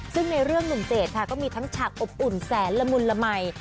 ซึ่งในเรื่องหนุ่มเจดค่ะก็มีทั้งฉากอบอุ่นแสนละมุนละมัย